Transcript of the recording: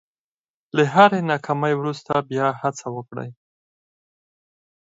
له هرې ناکامۍ وروسته بیا هڅه وکړئ.